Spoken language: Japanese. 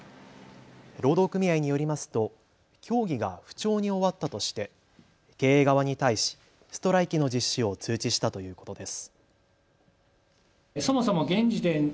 労働組合によりますと協議が不調に終わったとして経営側に対し、ストライキの実施を通知したということです。